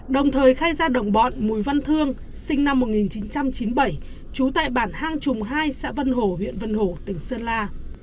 đồng thời khai ra đồng bọn mùi văn thương sinh năm một nghìn chín trăm chín mươi bảy chú tại bản hàng trùng hai xã vân hổ huyện vân hổ tỉnh sơn la